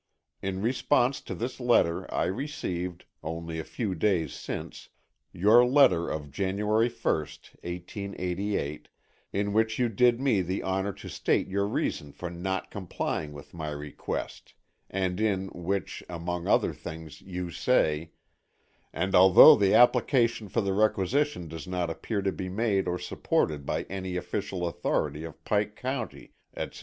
In response to this letter I received, only a few days since, your letter of January 21st (1888) in which you did me the honor to state your reasons for not complying with my request, and in which, among other things, you say: "and although the application for the requisition does not appear to be made or supported by any official authority of Pike County, etc."